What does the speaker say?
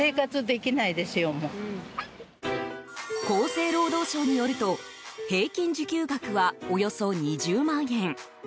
厚生労働省によると平均受給額はおよそ２０万円。